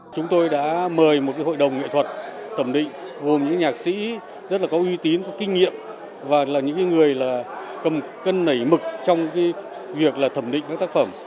chúng tôi đã mời một hội đồng nghệ thuật thẩm định gồm những nhạc sĩ rất là có uy tín có kinh nghiệm và là những người cầm cân nảy mực trong việc thẩm định các tác phẩm